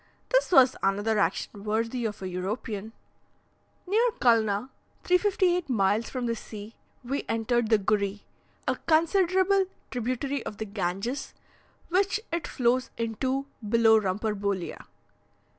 This was another action worthy of a European! Near Culna (358 miles from the sea), we entered the Gury, a considerable tributary of the Ganges, which it flows into below Rumpurbolea.